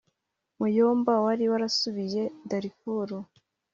muyomba wari warasubiye darifuru